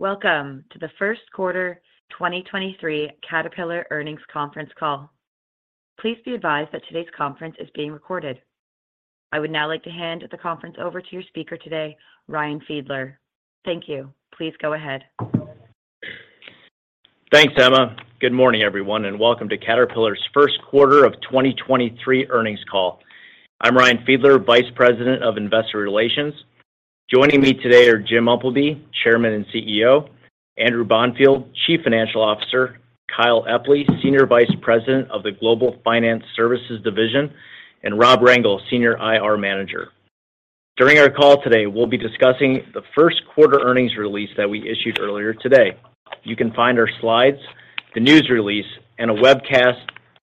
Welcome to the first quarter 2023 Caterpillar earnings conference call. Please be advised that today's conference is being recorded. I would now like to hand the conference over to your speaker today, Ryan Fiedler. Thank you. Please go ahead. Thanks, Emma. Good morning, everyone. Welcome to Caterpillar's first quarter of 2023 earnings call. I'm Ryan Fiedler, Vice President of Investor Relations. Joining me today are Jim Umpleby, Chairman and CEO, Andrew Bonfield, Chief Financial Officer, Kyle Epley, Senior Vice President of the Global Finance Services Division, and Rob Rengel, Senior IR Manager. During our call today, we'll be discussing the first quarter earnings release that we issued earlier today. You can find our slides, the news release, and a webcast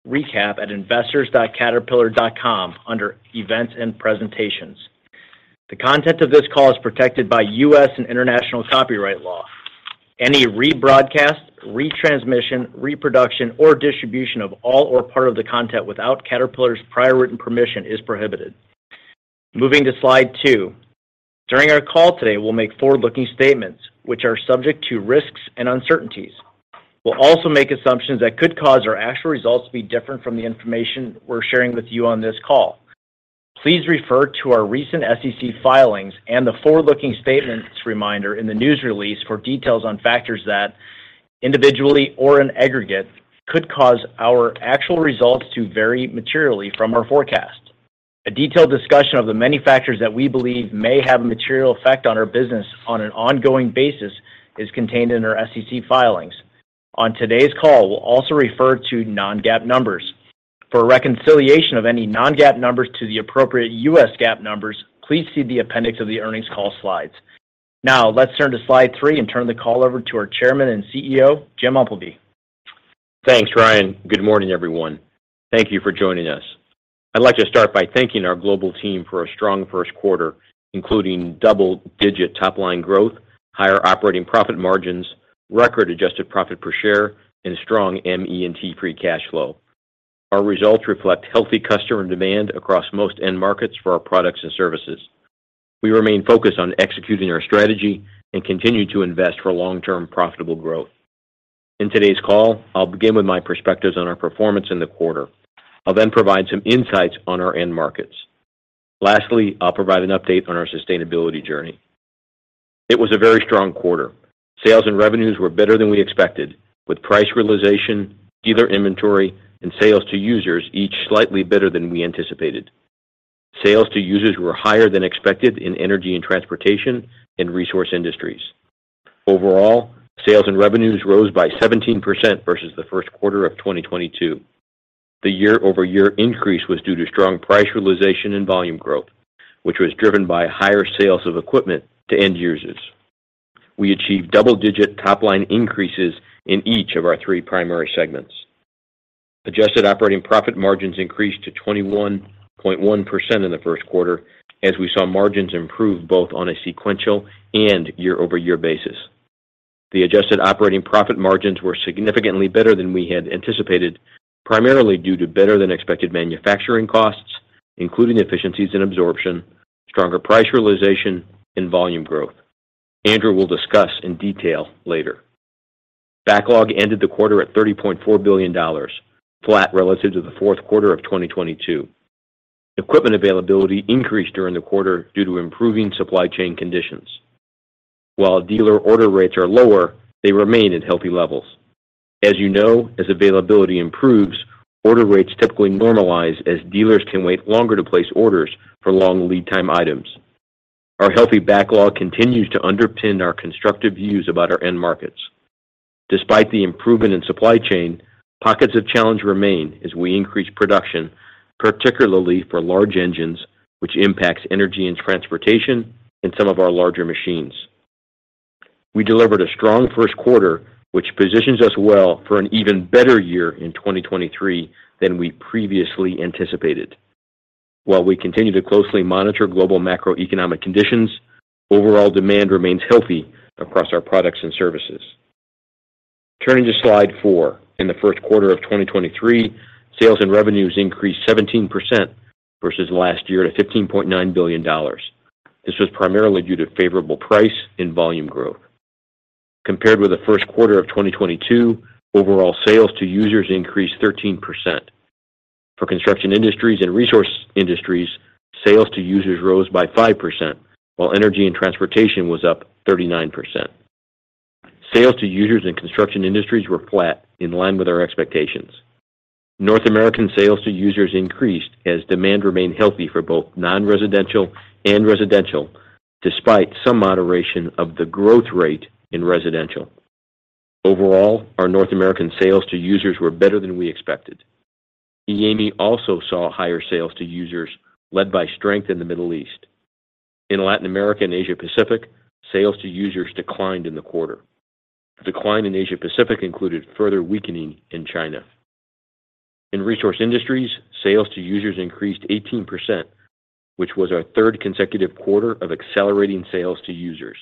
recap at investors.caterpillar.com under Events and Presentations. The content of this call is protected by U.S. and international copyright law. Any rebroadcast, retransmission, reproduction, or distribution of all or part of the content without Caterpillar's prior written permission is prohibited. Moving to slide two. During our call today, we'll make forward-looking statements which are subject to risks and uncertainties. We'll also make assumptions that could cause our actual results to be different from the information we're sharing with you on this call. Please refer to our recent SEC filings and the forward-looking statements reminder in the news release for details on factors that, individually or in aggregate, could cause our actual results to vary materially from our forecast. A detailed discussion of the many factors that we believe may have a material effect on our business on an ongoing basis is contained in our SEC filings. On today's call, we'll also refer to non-GAAP numbers. For a reconciliation of any non-GAAP numbers to the appropriate U.S. GAAP numbers, please see the appendix of the earnings call slides. Let's turn to slide three and turn the call over to our Chairman and CEO, Jim Umpleby. Thanks, Ryan. Good morning, everyone. Thank you for joining us. I'd like to start by thanking our global team for a strong first quarter, including double-digit top line growth, higher operating profit margins, record adjusted profit per share, and strong ME&T free cash flow. Our results reflect healthy customer demand across most end markets for our products and services. We remain focused on executing our strategy and continue to invest for long-term profitable growth. Today's call, I'll begin with my perspectives on our performance in the quarter. I'll provide some insights on our end markets. Lastly, I'll provide an update on our sustainability journey. It was a very strong quarter. Sales and revenues were better than we expected, with price realization, dealer inventory, and sales to users each slightly better than we anticipated. Sales to users were higher than expected in Energy & Transportation and Resource Industries. Overall, sales and revenues rose by 17% versus the first quarter of 2022. The year-over-year increase was due to strong price realization and volume growth, which was driven by higher sales of equipment to end users. We achieved double-digit top-line increases in each of our three primary segments. Adjusted operating profit margins increased to 21.1% in the first quarter, as we saw margins improve both on a sequential and year-over-year basis. The adjusted operating profit margins were significantly better than we had anticipated, primarily due to better than expected manufacturing costs, including efficiencies in absorption, stronger price realization, and volume growth. Andrew will discuss in detail later. Backlog ended the quarter at $30.4 billion, flat relative to the fourth quarter of 2022. Equipment availability increased during the quarter due to improving supply chain conditions. While dealer order rates are lower, they remain at healthy levels. As you know, as availability improves, order rates typically normalize as dealers can wait longer to place orders for long lead time items. Our healthy backlog continues to underpin our constructive views about our end markets. Despite the improvement in supply chain, pockets of challenge remain as we increase production, particularly for large engines, which impacts Energy & Transportation and some of our larger machines. We delivered a strong first quarter, which positions us well for an even better year in 2023 than we previously anticipated. While we continue to closely monitor global macroeconomic conditions, overall demand remains healthy across our products and services. Turning to slide four. In the first quarter of 2023, sales and revenues increased 17% versus last year to $15.9 billion. This was primarily due to favorable price and volume growth. Compared with the first quarter of 2022, overall sales to users increased 13%. For Construction Industries and Resource Industries, sales to users rose by 5%, while Energy & Transportation was up 39%. Sales to users in Construction Industries were flat, in line with our expectations. North American sales to users increased as demand remained healthy for both non-residential and residential, despite some moderation of the growth rate in residential. Overall, our North American sales to users were better than we expected. EAME also saw higher sales to users, led by strength in the Middle East. In Latin America and Asia Pacific, sales to users declined in the quarter. The decline in Asia Pacific included further weakening in China. In Resource Industries, sales to users increased 18%, which was our third consecutive quarter of accelerating sales to users.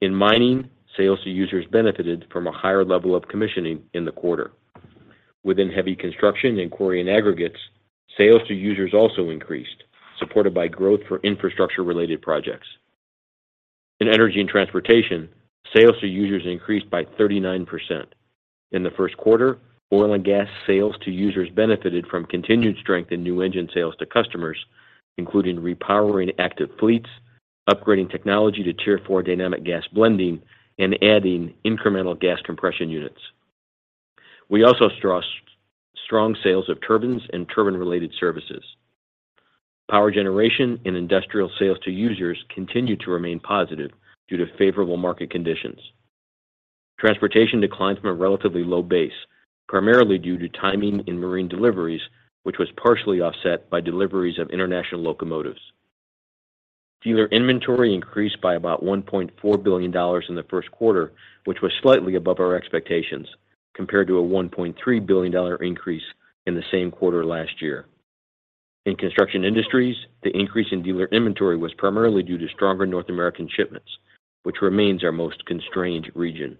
In mining, sales to users benefited from a higher level of commissioning in the quarter. Within heavy construction and quarry and aggregates, sales to users also increased, supported by growth for infrastructure-related projects. In Energy & Transportation, sales to users increased by 39%. In the first quarter, oil and gas sales to users benefited from continued strength in new engine sales to customers, including repowering active fleets, upgrading technology to Tier 4 Dynamic Gas Blending, and adding incremental gas compression units. We also saw strong sales of turbines and turbine-related services. Power generation and industrial sales to users continued to remain positive due to favorable market conditions. Transportation declines from a relatively low base, primarily due to timing in marine deliveries, which was partially offset by deliveries of international locomotives. Dealer inventory increased by about $1.4 billion in the first quarter, which was slightly above our expectations compared to a $1.3 billion increase in the same quarter last year. In Construction Industries, the increase in dealer inventory was primarily due to stronger North American shipments, which remains our most constrained region.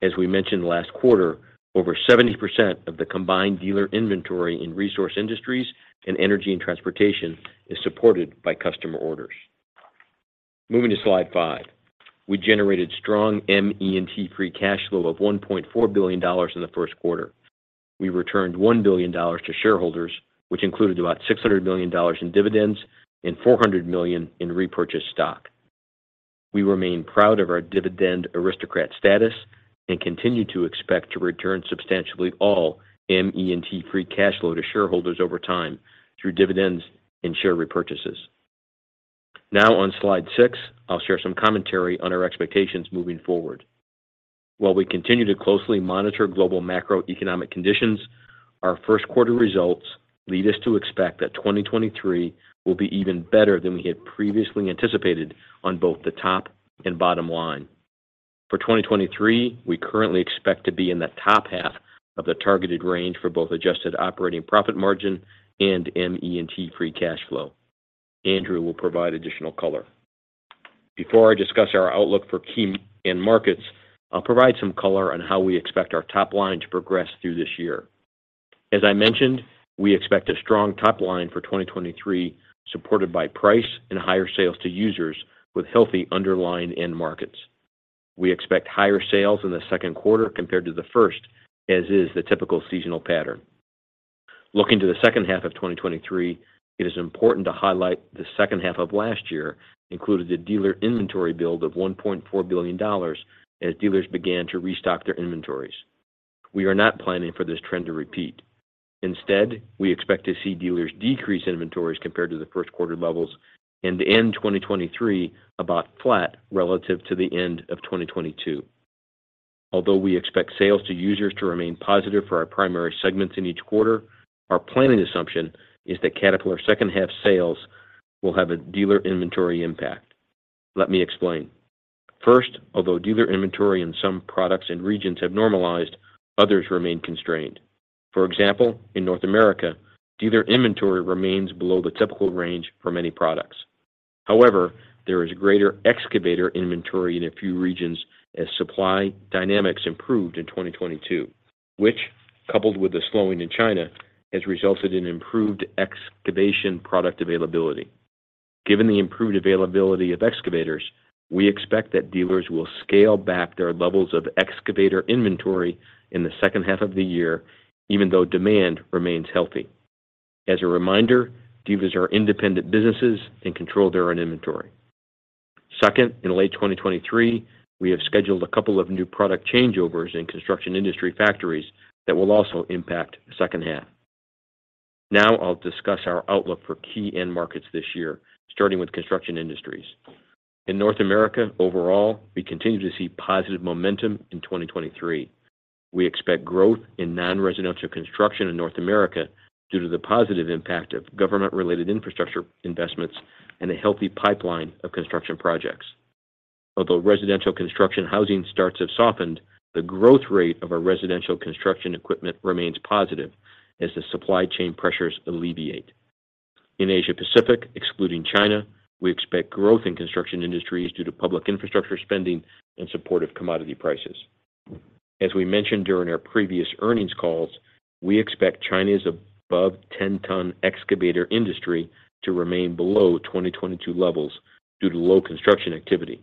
As we mentioned last quarter, over 70% of the combined dealer inventory in Resource Industries and Energy & Transportation is supported by customer orders. Moving to slide five. We generated strong ME&T free cash flow of $1.4 billion in the first quarter. We returned $1 billion to shareholders, which included about $600 million in dividends and $400 million in repurchased stock. We remain proud of our Dividend Aristocrat status and continue to expect to return substantially all ME&T free cash flow to shareholders over time through dividends and share repurchases. On slide six, I'll share some commentary on our expectations moving forward. While we continue to closely monitor global macroeconomic conditions, our first quarter results lead us to expect that 2023 will be even better than we had previously anticipated on both the top and bottom line. For 2023, we currently expect to be in the top half of the targeted range for both adjusted operating profit margin and ME&T free cash flow. Andrew will provide additional color. Before I discuss our outlook for key end markets, I'll provide some color on how we expect our top line to progress through this year. As I mentioned, we expect a strong top line for 2023, supported by price and higher sales to users with healthy underlying end markets. We expect higher sales in the second quarter compared to the first, as is the typical seasonal pattern. Looking to the second half of 2023, it is important to highlight the second half of last year included a dealer inventory build of $1.4 billion as dealers began to restock their inventories. We are not planning for this trend to repeat. Instead, we expect to see dealers decrease inventories compared to the first quarter levels and end 2023 about flat relative to the end of 2022. Although we expect sales to users to remain positive for our primary segments in each quarter, our planning assumption is that Caterpillar second half sales will have a dealer inventory impact. Let me explain. First, although dealer inventory in some products and regions have normalized, others remain constrained. For example, in North America, dealer inventory remains below the typical range for many products. However, there is greater excavator inventory in a few regions as supply dynamics improved in 2022, which, coupled with the slowing in China, has resulted in improved excavation product availability. Given the improved availability of excavators, we expect that dealers will scale back their levels of excavator inventory in the second half of the year, even though demand remains healthy. As a reminder, dealers are independent businesses and control their own inventory. Second, in late 2023, we have scheduled a couple of new product changeovers in Construction Industries factories that will also impact the second half. Now I'll discuss our outlook for key end markets this year, starting with Construction Industries. In North America, overall, we continue to see positive momentum in 2023. We expect growth in non-residential construction in North America due to the positive impact of government-related infrastructure investments and a healthy pipeline of construction projects. Although residential construction housing starts have softened, the growth rate of our residential construction equipment remains positive as the supply chain pressures alleviate. In Asia Pacific, excluding China, we expect growth in Construction Industries due to public infrastructure spending and supportive commodity prices. As we mentioned during our previous earnings calls, we expect China's above 10-ton excavator industry to remain below 2022 levels due to low construction activity.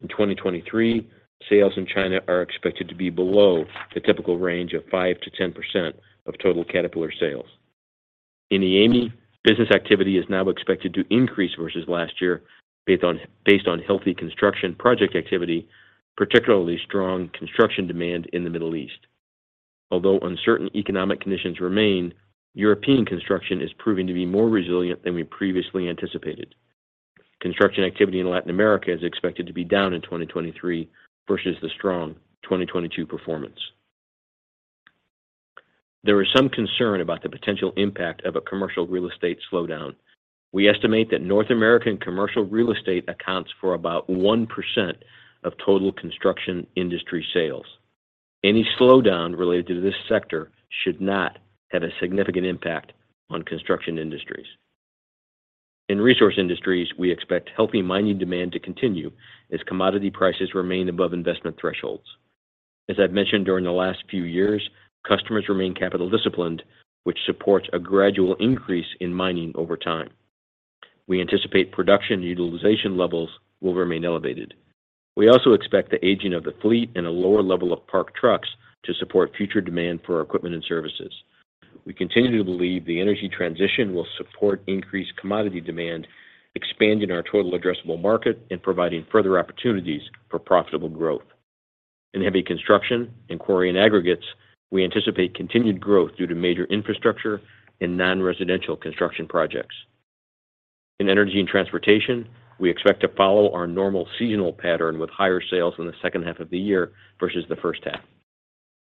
In 2023, sales in China are expected to be below the typical range of 5%-10% of total Caterpillar sales. In the EAME, business activity is now expected to increase versus last year based on healthy construction project activity, particularly strong construction demand in the Middle East. Although uncertain economic conditions remain, European construction is proving to be more resilient than we previously anticipated. Construction activity in Latin America is expected to be down in 2023 versus the strong 2022 performance. There is some concern about the potential impact of a commercial real estate slowdown. We estimate that North American commercial real estate accounts for about 1% of total Construction Industries sales. Any slowdown related to this sector should not have a significant impact on Construction Industries. In Resource Industries, we expect healthy mining demand to continue as commodity prices remain above investment thresholds. As I've mentioned during the last few years, customers remain capital disciplined, which supports a gradual increase in mining over time. We anticipate production utilization levels will remain elevated. We also expect the aging of the fleet and a lower level of parked trucks to support future demand for our equipment and services. We continue to believe the energy transition will support increased commodity demand, expanding our total addressable market and providing further opportunities for profitable growth. In heavy construction and quarry and aggregates, we anticipate continued growth due to major infrastructure and non-residential construction projects. In Energy & Transportation, we expect to follow our normal seasonal pattern with higher sales in the second half of the year versus the first half.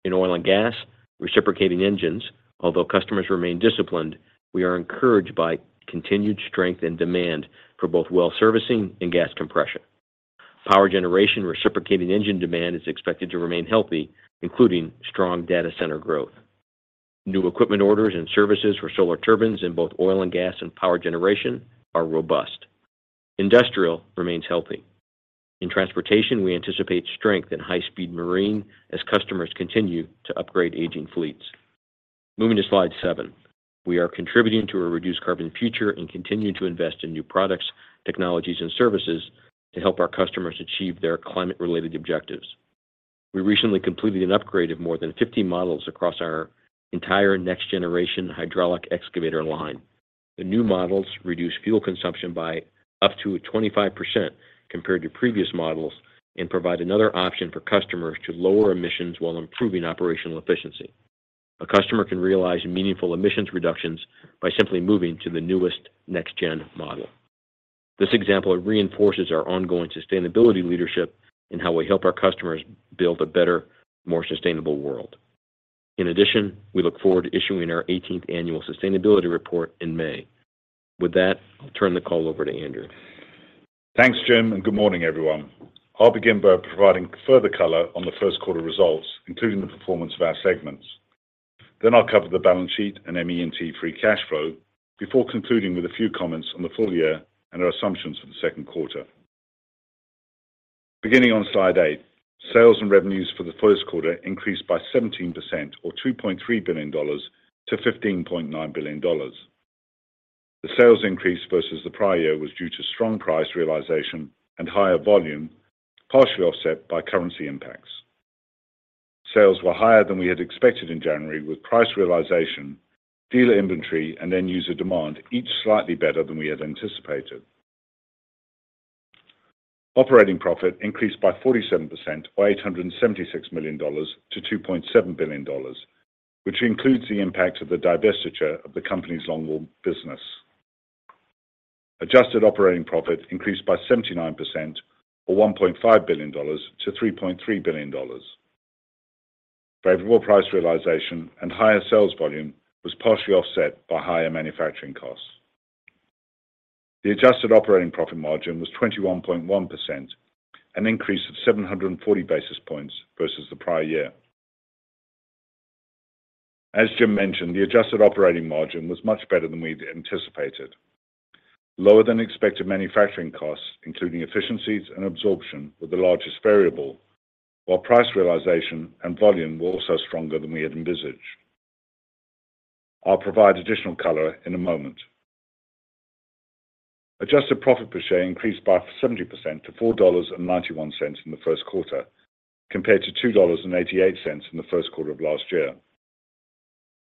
In oil and gas, reciprocating engines, although customers remain disciplined, we are encouraged by continued strength in demand for both well servicing and gas compression. Power generation reciprocating engine demand is expected to remain healthy, including strong data center growth. New equipment orders and services for Solar Turbines in both oil and gas and power generation are robust. Industrial remains healthy. In transportation, we anticipate strength in high-speed marine as customers continue to upgrade aging fleets. Moving to slide seven. We are contributing to a reduced carbon future and continuing to invest in new products, technologies, and services to help our customers achieve their climate-related objectives. We recently completed an upgrade of more than 50 models across our entire Next Generation hydraulic excavator line. The new models reduce fuel consumption by up to 25% compared to previous models and provide another option for customers to lower emissions while improving operational efficiency. A customer can realize meaningful emissions reductions by simply moving to the newest Next Gen model. This example reinforces our ongoing sustainability leadership in how we help our customers build a better, more sustainable world. In addition, we look forward to issuing our 18th annual sustainability report in May. With that, I'll turn the call over to Andrew. Thanks, Jim. Good morning, everyone. I'll begin by providing further color on the first quarter results, including the performance of our segments. I'll cover the balance sheet and ME&T free cash flow before concluding with a few comments on the full year and our assumptions for the second quarter. Beginning on slide eight, sales and revenues for the first quarter increased by 17% or $2.3 billion-$15.9 billion. The sales increase versus the prior year was due to strong price realization and higher volume, partially offset by currency impacts. Sales were higher than we had expected in January with price realization, dealer inventory, and end user demand each slightly better than we had anticipated. Operating profit increased by 47% or $876 million-$2.7 billion, which includes the impact of the divestiture of the company's Longwall business. Adjusted operating profit increased by 79% or $1.5 billion-$3.3 billion. Favorable price realization and higher sales volume was partially offset by higher manufacturing costs. The adjusted operating profit margin was 21.1%, an increase of 740 basis points versus the prior year. As Jim mentioned, the adjusted operating margin was much better than we'd anticipated. Lower than expected manufacturing costs, including efficiencies and absorption, were the largest variable, while price realization and volume were also stronger than we had envisaged. I'll provide additional color in a moment. Adjusted profit per share increased by 70% to $4.91 in the first quarter, compared to $2.88 in the first quarter of last year.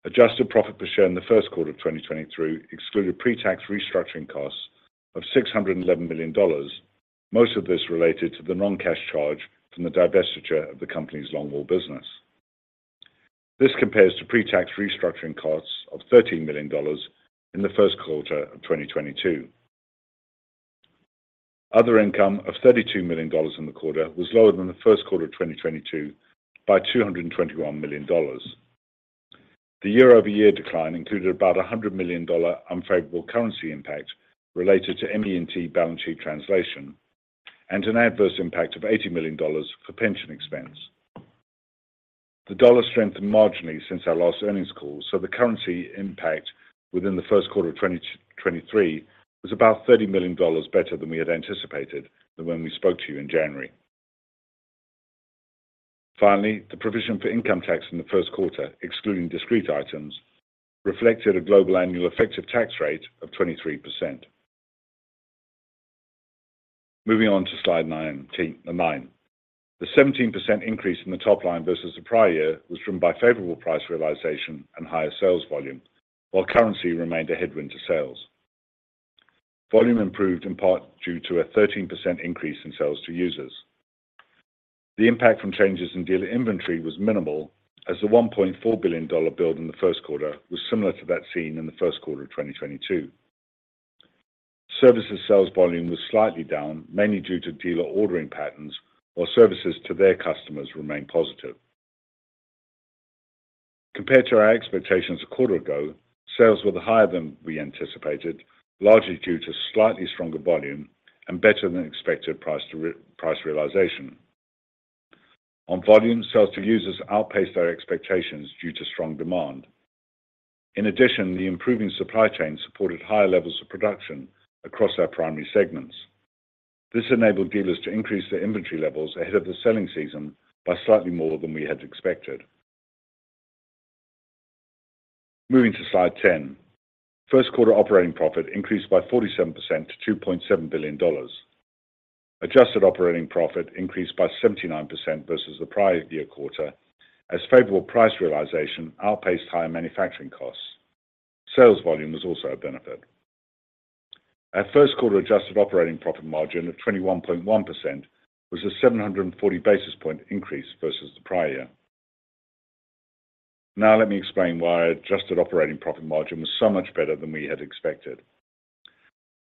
Adjusted profit per share in the first quarter of 2023 excluded pre-tax restructuring costs of $611 million, most of this related to the non-cash charge from the divestiture of the company's Longwall business. This compares to pre-tax restructuring costs of $13 million in the first quarter of 2022. Other income of $32 million in the quarter was lower than the first quarter of 2022 by $221 million. The year-over-year decline included about a $100 million unfavorable currency impact related to ME&T balance sheet translation and an adverse impact of $80 million for pension expense. The dollar strengthened marginally since our last earnings call, the currency impact within the first quarter of 2023 was about $30 million better than we had anticipated than when we spoke to you in January. Finally, the provision for income tax in the first quarter, excluding discrete items, reflected a global annual effective tax rate of 23%. Moving on to slide nine. The 17% increase in the top line versus the prior year was driven by favorable price realization and higher sales volume, while currency remained a headwind to sales. Volume improved in part due to a 13% increase in sales to users. The impact from changes in dealer inventory was minimal as the $1.4 billion build in the first quarter was similar to that seen in the first quarter of 2022. Services sales volume was slightly down, mainly due to dealer ordering patterns, while services to their customers remained positive. Compared to our expectations a quarter ago, sales were higher than we anticipated, largely due to slightly stronger volume and better than expected price realization. On volume, sales to users outpaced our expectations due to strong demand. In addition, the improving supply chain supported higher levels of production across our primary segments. This enabled dealers to increase their inventory levels ahead of the selling season by slightly more than we had expected. Moving to slide 10. First quarter operating profit increased by 47% to $2.7 billion. Adjusted operating profit increased by 79% versus the prior year quarter as favorable price realization outpaced higher manufacturing costs. Sales volume was also a benefit. Our first quarter adjusted operating profit margin of 21.1% was a 740 basis point increase versus the prior year. Now let me explain why adjusted operating profit margin was so much better than we had expected.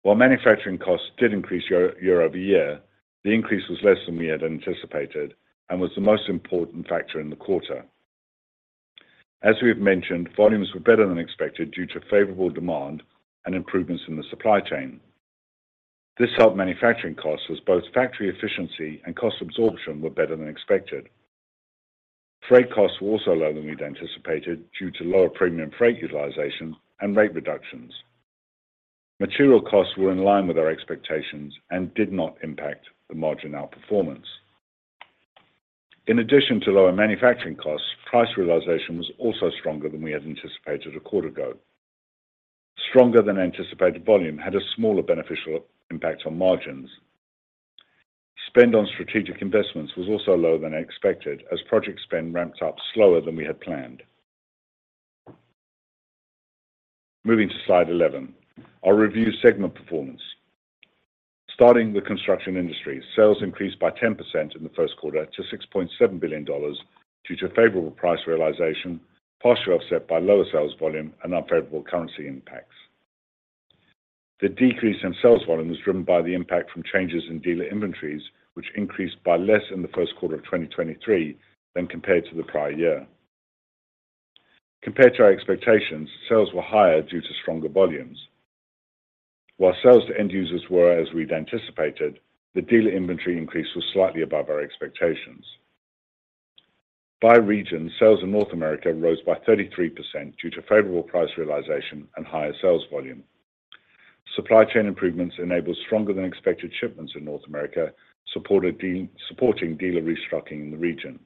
While manufacturing costs did increase year-over-year, the increase was less than we had anticipated and was the most important factor in the quarter. As we have mentioned, volumes were better than expected due to favorable demand and improvements in the supply chain. This helped manufacturing costs as both factory efficiency and cost absorption were better than expected. Freight costs were also lower than we'd anticipated due to lower premium freight utilization and rate reductions. Material costs were in line with our expectations and did not impact the margin outperformance. In addition to lower manufacturing costs, price realization was also stronger than we had anticipated a quarter ago. Stronger than anticipated volume had a smaller beneficial impact on margins. Spend on strategic investments was also lower than expected as project spend ramped up slower than we had planned. Moving to slide 11. I'll review segment performance. Starting with Construction Industries. Sales increased by 10% in the first quarter to $6.7 billion due to favorable price realization, partially offset by lower sales volume and unfavorable currency impacts. The decrease in sales volume was driven by the impact from changes in dealer inventories, which increased by less in the first quarter of 2023 than compared to the prior year. Compared to our expectations, sales were higher due to stronger volumes. While sales to end users were as we'd anticipated, the dealer inventory increase was slightly above our expectations. By region, sales in North America rose by 33% due to favorable price realization and higher sales volume. Supply chain improvements enabled stronger than expected shipments in North America, supporting dealer restructuring in the region.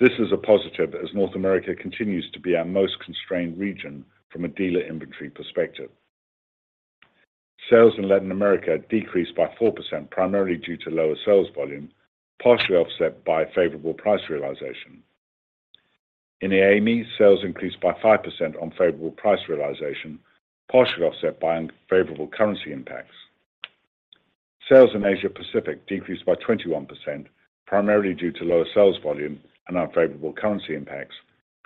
This is a positive as North America continues to be our most constrained region from a dealer inventory perspective. Sales in Latin America decreased by 4%, primarily due to lower sales volume, partially offset by favorable price realization. In EAME, sales increased by 5% on favorable price realization, partially offset by unfavorable currency impacts. Sales in Asia Pacific decreased by 21%, primarily due to lower sales volume and unfavorable currency impacts,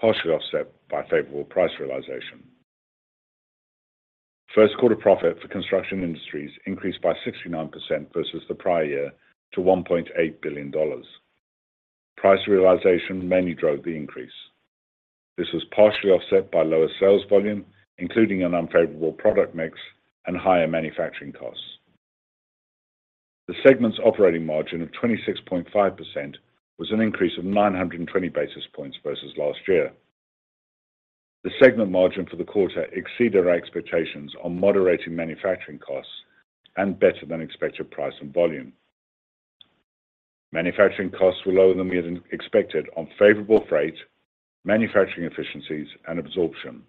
partially offset by favorable price realization. First quarter profit for Construction Industries increased by 69% versus the prior year to $1.8 billion. Price realization mainly drove the increase. This was partially offset by lower sales volume, including an unfavorable product mix and higher manufacturing costs. The segment's operating margin of 26.5% was an increase of 920 basis points versus last year. The segment margin for the quarter exceeded our expectations on moderating manufacturing costs and better than expected price and volume. Manufacturing costs were lower than we had expected on favorable freight, manufacturing efficiencies, and absorption.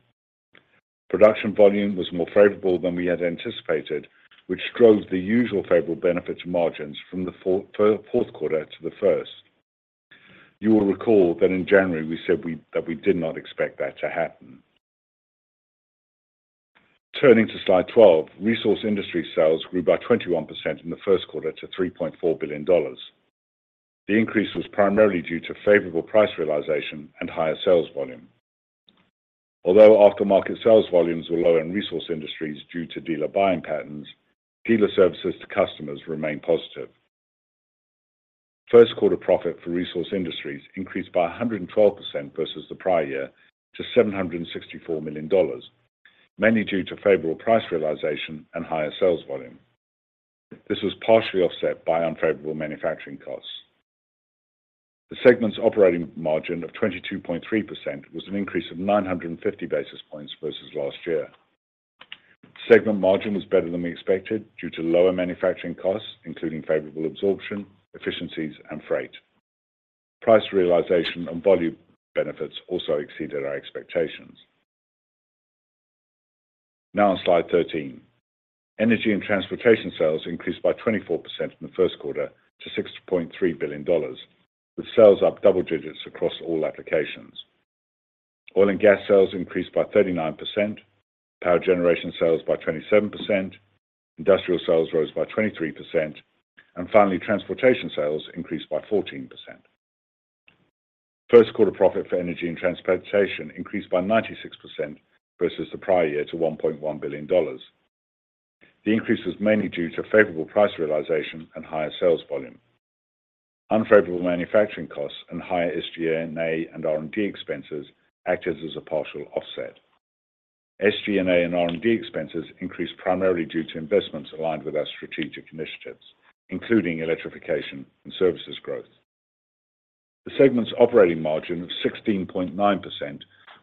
Production volume was more favorable than we had anticipated, which drove the usual favorable benefit to margins from the fourth quarter to the first. You will recall that in January, we said that we did not expect that to happen. Turning to slide 12. Resource Industries sales grew by 21% in the first quarter to $3.4 billion. The increase was primarily due to favorable price realization and higher sales volume. Although aftermarket sales volumes were low in Resource Industries due to dealer buying patterns, dealer services to customers remained positive. First quarter profit for Resource Industries increased by 112% versus the prior year to $764 million, mainly due to favorable price realization and higher sales volume. This was partially offset by unfavorable manufacturing costs. The segment's operating margin of 22.3% was an increase of 950 basis points versus last year. Segment margin was better than we expected due to lower manufacturing costs, including favorable absorption, efficiencies, and freight. Price realization and volume benefits also exceeded our expectations. On slide 13. Energy & Transportation sales increased by 24% in the first quarter to $6.3 billion, with sales up double digits across all applications. Oil and gas sales increased by 39%, power generation sales by 27%, industrial sales rose by 23%, and finally, transportation sales increased by 14%. First quarter profit for Energy & Transportation increased by 96% versus the prior year to $1.1 billion. The increase was mainly due to favorable price realization and higher sales volume. Unfavorable manufacturing costs and higher SG&A and R&D expenses acted as a partial offset. SG&A and R&D expenses increased primarily due to investments aligned with our strategic initiatives, including electrification and services growth. The segment's operating margin of 16.9%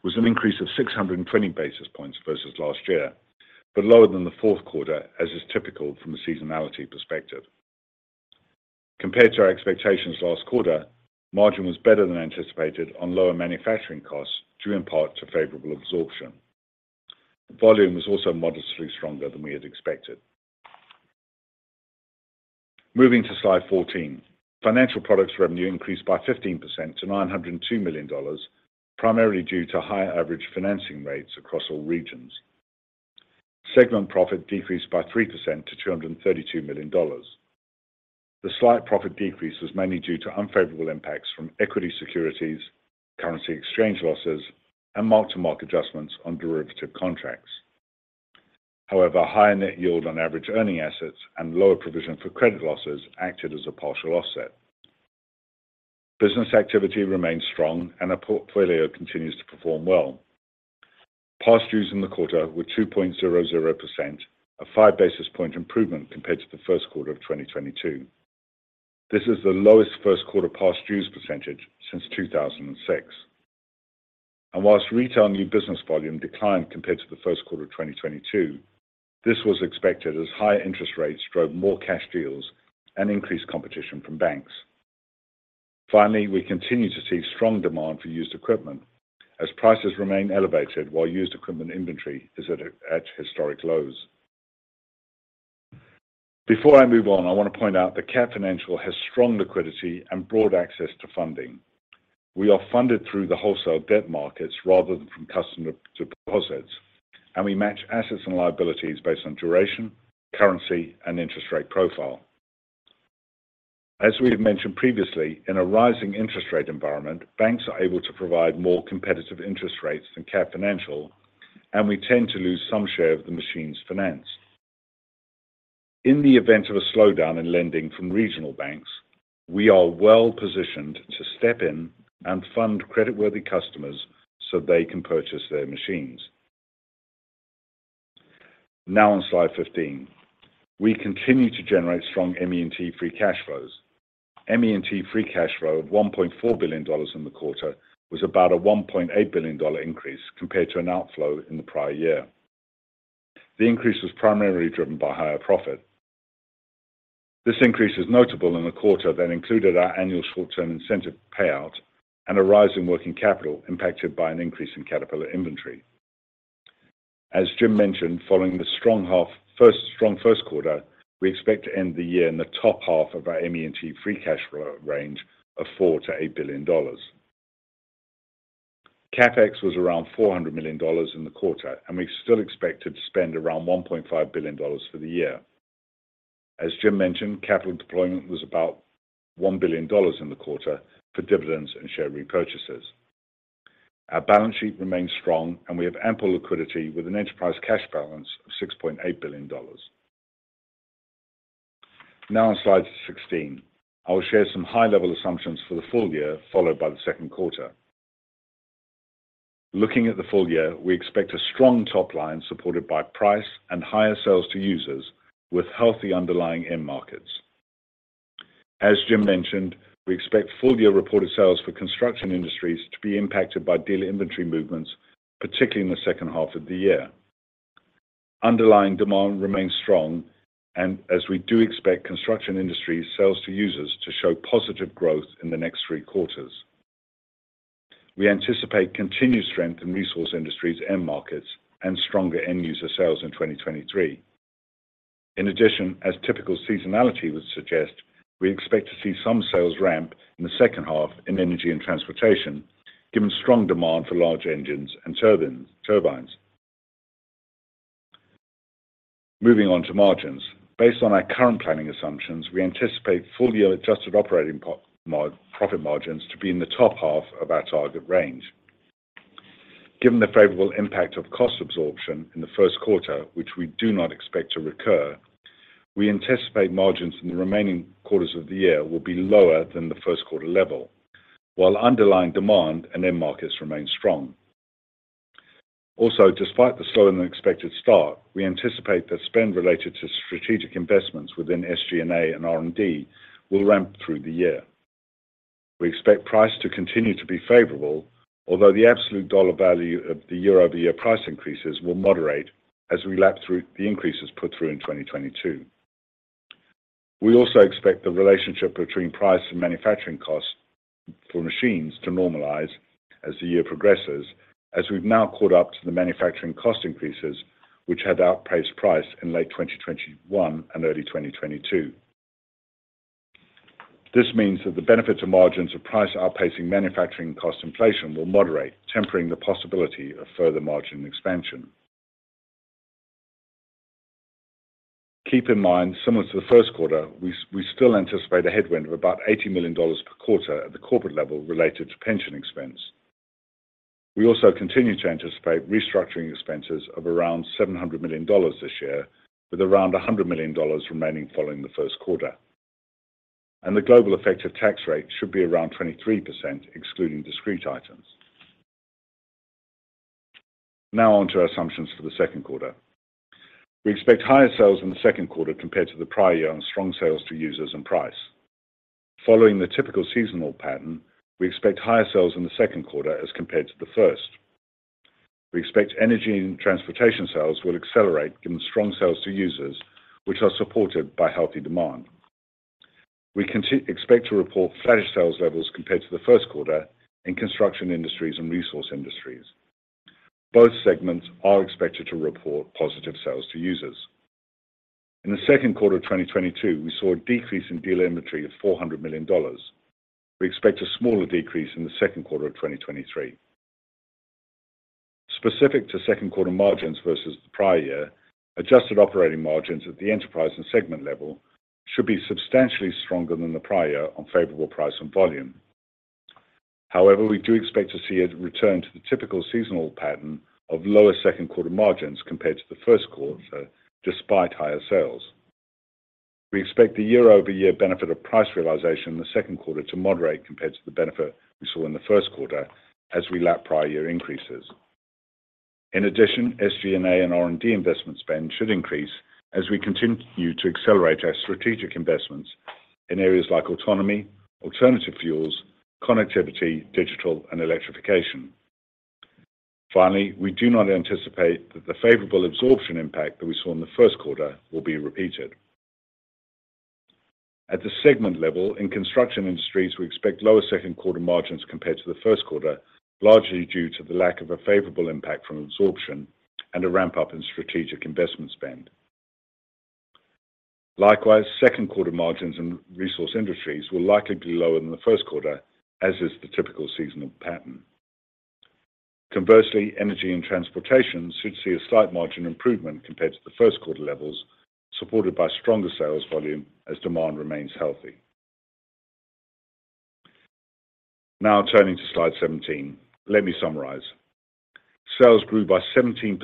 was an increase of 620 basis points versus last year, lower than the fourth quarter, as is typical from a seasonality perspective. Compared to our expectations last quarter, margin was better than anticipated on lower manufacturing costs, due in part to favorable absorption. Volume was also modestly stronger than we had expected. Moving to slide 14. Financial Products revenue increased by 15% to $902 million, primarily due to higher average financing rates across all regions. Segment profit decreased by 3% to $232 million. The slight profit decrease was mainly due to unfavorable impacts from equity securities, currency exchange losses and mark-to-market adjustments on derivative contracts. Higher net yield on average earning assets and lower provision for credit losses acted as a partial offset. Business activity remains strong and our portfolio continues to perform well. Past dues in the quarter were 2.00%, a 5 basis point improvement compared to the first quarter of 2022. This is the lowest first quarter past dues percentage since 2006. Whilst retail new business volume declined compared to the first quarter of 2022, this was expected as higher interest rates drove more cash deals and increased competition from banks. Finally, we continue to see strong demand for used equipment as prices remain elevated while used equipment inventory is at historic lows. Before I move on, I want to point out that Cat Financial has strong liquidity and broad access to funding. We are funded through the wholesale debt markets rather than from customer deposits, and we match assets and liabilities based on duration, currency, and interest rate profile. As we have mentioned previously, in a rising interest rate environment, banks are able to provide more competitive interest rates than Cat Financial, and we tend to lose some share of the machines financed. In the event of a slowdown in lending from regional banks, we are well-positioned to step in and fund creditworthy customers so they can purchase their machines. On slide 15. We continue to generate strong ME&T free cash flows. ME&T free cash flow of $1.4 billion in the quarter was about a $1.8 billion increase compared to an outflow in the prior year. The increase was primarily driven by higher profit. This increase is notable in the quarter that included our annual short-term incentive payout and a rise in working capital impacted by an increase in Caterpillar inventory. As Jim mentioned, following the strong first quarter, we expect to end the year in the top half of our ME&T free cash flow range of $4 billion-$8 billion. CapEx was around $400 million in the quarter, and we still expected to spend around $1.5 billion for the year. As Jim mentioned, capital deployment was about $1 billion in the quarter for dividends and share repurchases. Our balance sheet remains strong and we have ample liquidity with an enterprise cash balance of $6.8 billion. Now on slide 16. I will share some high-level assumptions for the full year, followed by the second quarter. Looking at the full year, we expect a strong top line supported by price and higher sales to users with healthy underlying end markets. As Jim mentioned, we expect full-year reported sales for Construction Industries to be impacted by dealer inventory movements, particularly in the second half of the year. Underlying demand remains strong. As we do expect Construction Industries sales to users to show positive growth in the next three quarters. We anticipate continued strength in Resource Industries end markets and stronger end user sales in 2023. In addition, as typical seasonality would suggest, we expect to see some sales ramp in the second half in Energy & Transportation, given strong demand for large engines and turbines. Moving on to margins. Based on our current planning assumptions, we anticipate full year adjusted operating profit margins to be in the top half of our target range. Given the favorable impact of cost absorption in the first quarter, which we do not expect to recur, we anticipate margins in the remaining quarters of the year will be lower than the first quarter level, while underlying demand and end markets remain strong. Also, despite the slower than expected start, we anticipate that spend related to strategic investments within SG&A and R&D will ramp through the year. We expect price to continue to be favorable, although the absolute dollar value of the year-over-year price increases will moderate as we lap through the increases put through in 2022. We also expect the relationship between price and manufacturing costs for machines to normalize as the year progresses, as we've now caught up to the manufacturing cost increases which had outpaced price in late 2021 and early 2022. This means that the benefit to margins of price outpacing manufacturing cost inflation will moderate, tempering the possibility of further margin expansion. Keep in mind, similar to the first quarter, we still anticipate a headwind of about $80 million per quarter at the corporate level related to pension expense. We also continue to anticipate restructuring expenses of around $700 million this year, with around $100 million remaining following the first quarter. The global effective tax rate should be around 23%, excluding discrete items. Now on to our assumptions for the second quarter. We expect higher sales in the second quarter compared to the prior year on strong sales to users and price. Following the typical seasonal pattern, we expect higher sales in the second quarter as compared to the first. We expect Energy & Transportation sales will accelerate, given strong sales to users, which are supported by healthy demand. We expect to report flattish sales levels compared to the first quarter in Construction Industries and Resource Industries. Both segments are expected to report positive sales to users. In the second quarter of 2022, we saw a decrease in dealer inventory of $400 million. We expect a smaller decrease in the second quarter of 2023. Specific to second quarter margins versus the prior year, adjusted operating margins at the enterprise and segment level should be substantially stronger than the prior year on favorable price and volume. However, we do expect to see it return to the typical seasonal pattern of lower second quarter margins compared to the first quarter despite higher sales. We expect the year-over-year benefit of price realization in the second quarter to moderate compared to the benefit we saw in the first quarter as we lap prior year increases. In addition, SG&A and R&D investment spend should increase as we continue to accelerate our strategic investments in areas like autonomy, alternative fuels, connectivity, digital and electrification. Finally, we do not anticipate that the favorable absorption impact that we saw in the first quarter will be repeated. At the segment level, in Construction Industries, we expect lower second quarter margins compared to the first quarter, largely due to the lack of a favorable impact from absorption and a ramp-up in strategic investment spend. Likewise, second quarter margins in Resource Industries will likely be lower than the first quarter, as is the typical seasonal pattern. Conversely, Energy & Transportation should see a slight margin improvement compared to the first quarter levels, supported by stronger sales volume as demand remains healthy. Turning to slide 17, let me summarize. Sales grew by 17%,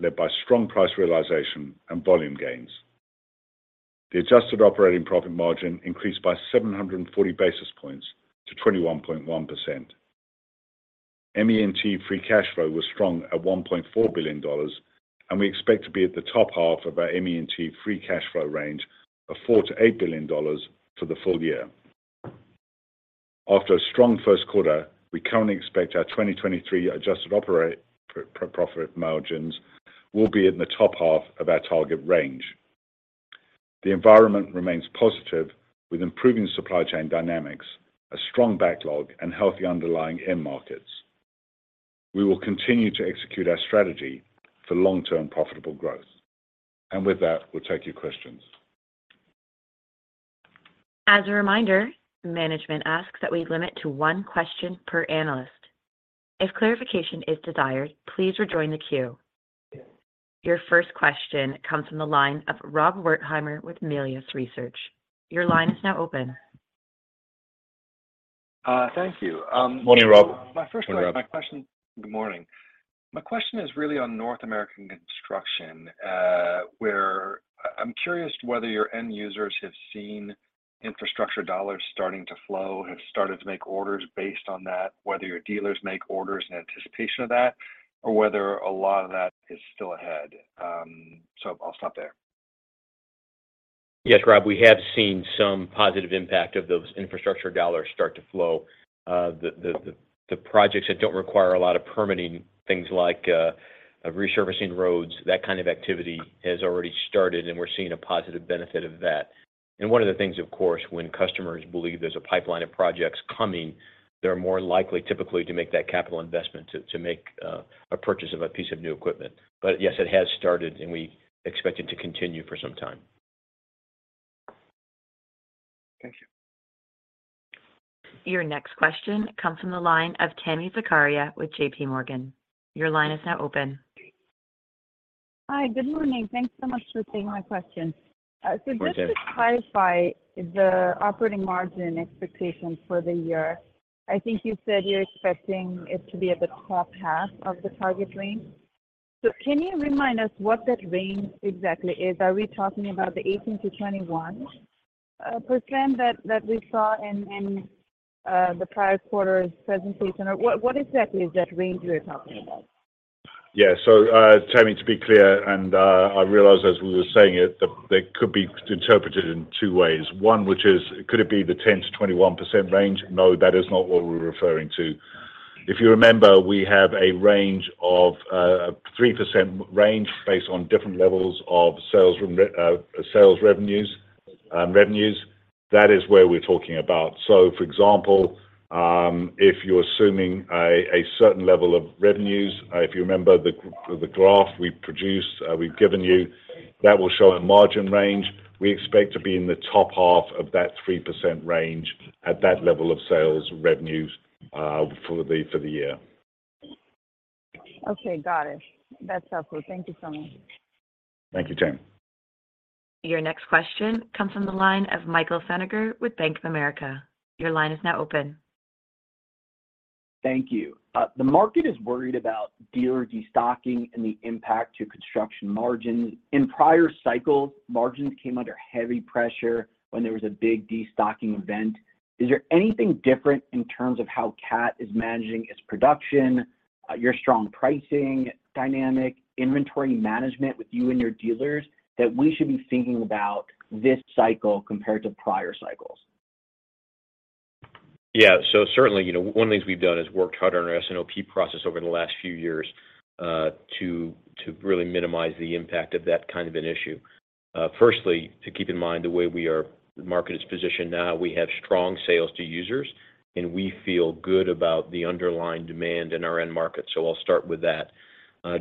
led by strong price realization and volume gains. The adjusted operating profit margin increased by 740 basis points to 21.1%. ME&T free cash flow was strong at $1.4 billion, and we expect to be at the top half of our ME&T free cash flow range of $4 billion-$8 billion for the full year. After a strong first quarter, we currently expect our 2023 adjusted profit margins will be in the top half of our target range. The environment remains positive with improving supply chain dynamics, a strong backlog, and healthy underlying end markets. We will continue to execute our strategy for long-term profitable growth. With that, we'll take your questions. As a reminder, management asks that we limit to one question per analyst. If clarification is desired, please rejoin the queue. Your first question comes from the line of Rob Wertheimer with Melius Research. Your line is now open. thank you. Morning, Rob. My question. Good morning. My question is really on North American construction, where I'm curious to whether your end users have seen infrastructure dollars starting to flow, have started to make orders based on that, whether your dealers make orders in anticipation of that, or whether a lot of that is still ahead. I'll stop there. Yes, Rob, we have seen some positive impact of those infrastructure dollars start to flow. The projects that don't require a lot of permitting, things like resurfacing roads, that kind of activity has already started, and we're seeing a positive benefit of that. One of the things, of course, when customers believe there's a pipeline of projects coming, they're more likely typically to make that capital investment to make a purchase of a piece of new equipment. Yes, it has started, and we expect it to continue for some time. Thank you. Your next question comes from the line of Tami Zakaria with JPMorgan. Your line is now open. Hi. Good morning. Thanks so much for taking my question. Morning, Tami. Just to clarify the operating margin expectations for the year, I think you said you're expecting it to be at the top half of the target range. Can you remind us what that range exactly is? Are we talking about the 18%-21% that we saw in the prior quarter's presentation? Or what exactly is that range you're talking about? Tami, to be clear, and I realize as we were saying it that that could be interpreted in two ways. One, which is, could it be the 10%-21% range? No, that is not what we're referring to. If you remember, we have a range of, 3% range based on different levels of sales revenues. That is where we're talking about. For example, if you're assuming a certain level of revenues, if you remember the graph we produced, we've given you, that will show a margin range. We expect to be in the top half of that 3% range at that level of sales revenues, for the year. Okay. Got it. That's helpful. Thank you so much. Thank you, Tami. Your next question comes from the line of Michael Feniger with Bank of America. Your line is now open. Thank you. The market is worried about dealer destocking and the impact to construction margins. In prior cycles, margins came under heavy pressure when there was a big destocking event. Is there anything different in terms of how Cat is managing its production, your strong pricing dynamic, inventory management with you and your dealers, that we should be thinking about this cycle compared to prior cycles? Yeah. Certainly, you know, one of the things we've done is worked hard on our S&OP process over the last few years, to really minimize the impact of that kind of an issue. Firstly, to keep in mind the way the market is positioned now, we have strong sales to users, and we feel good about the underlying demand in our end market. I'll start with that.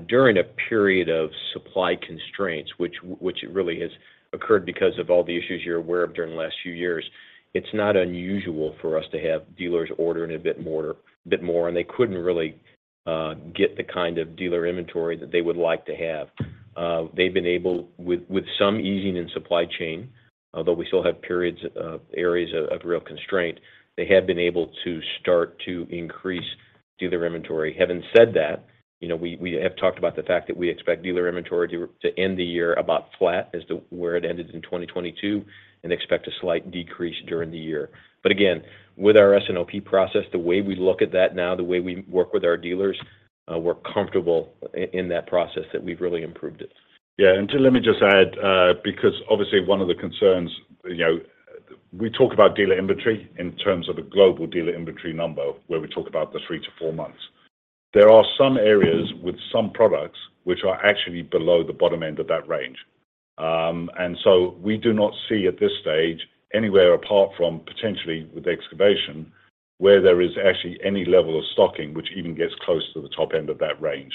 During a period of supply constraints, which it really has occurred because of all the issues you're aware of during the last few years, it's not unusual for us to have dealers ordering a bit more, and they couldn't really get the kind of dealer inventory that they would like to have. They've been able with some easing in supply chain, although we still have periods of areas of real constraint, they have been able to start to increase dealer inventory. Having said that, you know, we have talked about the fact that we expect dealer inventory to end the year about flat as to where it ended in 2022 and expect a slight decrease during the year. Again, with our S&OP process, the way we look at that now, the way we work with our dealers, we're comfortable in that process that we've really improved it. Yeah. Let me just add, because obviously one of the concerns, you know, we talk about dealer inventory in terms of a global dealer inventory number, where we talk about the three to four months. There are some areas with some products which are actually below the bottom end of that range. We do not see at this stage anywhere apart from potentially with excavation, where there is actually any level of stocking, which even gets close to the top end of that range.